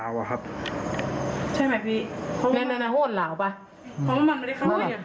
ห้วนราวป่ะ